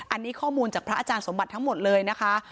อันนี้ข้อมูลจากพระอาจารย์สมบัติทั้งหมดเลยนะคะ